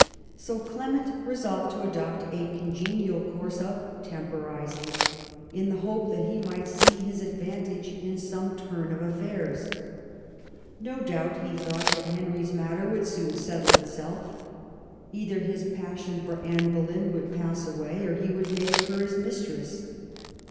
So Clement resolved to adopt a congenial course of temporising, in the hope that he might see his advantage in some turn of affairs. No doubt he thought that Henry's matter would soon settle itself ; either his passion for Anne Boleyn would pass away, or he would make her his mistress.